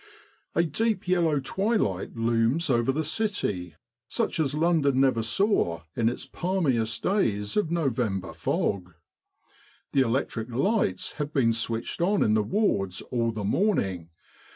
A deep yellow twilight looms over the city, such as Lon don never saw in its palmiest days of November fog : the electric lights have been switched on in the wards all the morning.